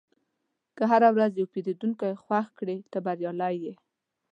که هره ورځ یو پیرودونکی خوښ کړې، ته بریالی یې.